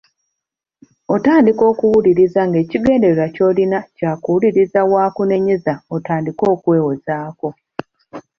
Otandika okuwuliriza ng’ekigendererwa ky’olina kyakuwulira w’akunenyeza otandike okwewozaako.